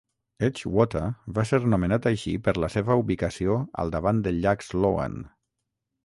Edgewater va ser nomenat així per la seva ubicació al davant del llac Sloan.